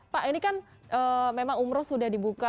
pak ini kan memang umroh sudah dibuka